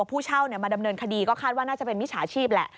ผู้เช่ามาดำเนินคดีก็คาดว่าน่าจะเป็นมิจฉาชีพแหละ